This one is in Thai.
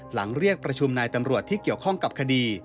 เรียกประชุมนายตำรวจที่เกี่ยวข้องกับคดี